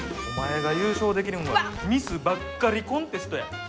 お前が優勝できるんはミスばっかりコンテストや。